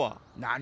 何！？